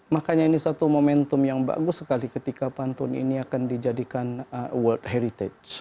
makanya ini satu momentum yang bagus sekali ketika pantun ini akan dijadikan world heritage